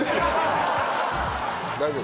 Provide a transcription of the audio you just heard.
大丈夫？